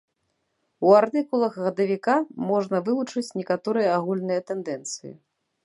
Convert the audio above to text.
У артыкулах гадавіка можна вылучыць некаторыя агульныя тэндэнцыі.